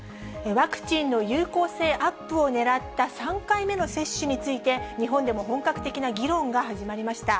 ワクチンの有効性アップをねらった３回目の接種について、日本でも本格的な議論が始まりました。